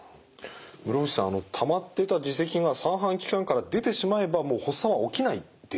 室伏さんあのたまってた耳石が三半規管から出てしまえばもう発作は起きないんでしょうか？